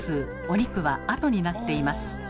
お肉は後になっています。